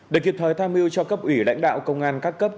để kịp thời tham mưu cho cấp ủy lãnh đạo công an các cấp